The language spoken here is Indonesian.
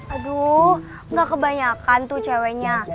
aduh nggak kebanyakan tuh ceweknya